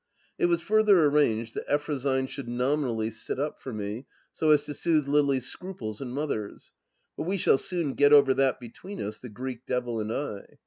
It was further arranged that Eftrosyne should nominally sit up for me, so as to soothe Lily's scruples and Mother's ; but we shall soon get over that between us, the Greek devil and I.